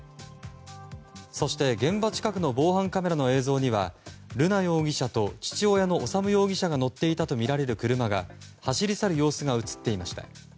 そして、現場近くの防犯カメラの映像には瑠奈容疑者と父親の修容疑者が乗っていたとみられる車が走り去る様子が映っていました。